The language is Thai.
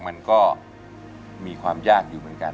มันก็มีความยากอยู่เหมือนกัน